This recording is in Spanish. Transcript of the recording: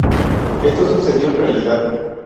Esto sucedió en realidad.